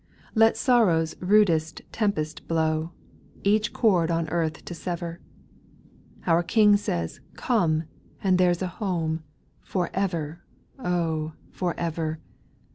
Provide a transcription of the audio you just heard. Let sorrow's rudest tempest blow, Each chord on earth to sever ; Our King says *' Come," — and there 's a home For ever, oh I for ever